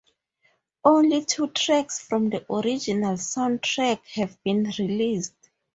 Only two tracks from the original soundtrack have been released.